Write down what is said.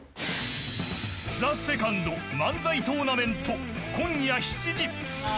ＴＨＥＳＥＣＯＮＤ漫才トーナメント今夜７時。